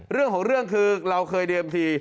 เรื่องของเรื่องคือเราเคยเตรียมที